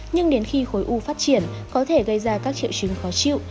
nhưng đến khi khối u phát triển có thể gây ra các triệu chứng khó chịu